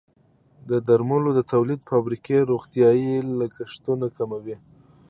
د درملو د تولید فابریکې روغتیايي لګښتونه کموي.